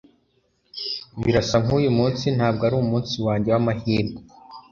Birasa nkuyu munsi ntabwo ari umunsi wanjye wamahirwe